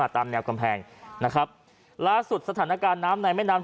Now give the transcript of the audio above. ตามแนวพนักการน้ำทั้งสองฝั่ง